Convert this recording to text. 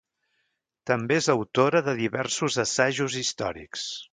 També és autora de diversos assajos històrics.